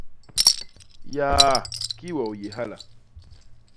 Yaa! Kii we u yé hala!